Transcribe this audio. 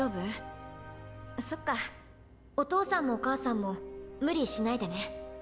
そっかお父さんもお母さんも無理しないでね。